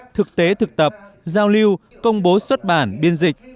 thực tế thực tập giao lưu công bố xuất bản biên dịch